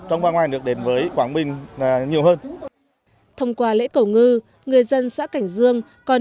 trong và ngoài được đến với quảng bình nhiều hơn thông qua lễ cầu ngư người dân xã cảnh dương còn